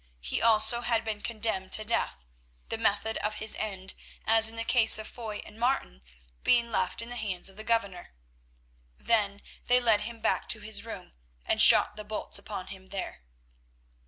He also had been condemned to death, the method of his end, as in the case of Foy and Martin, being left in the hands of the Governor. Then they led him back to his room, and shot the bolts upon him there.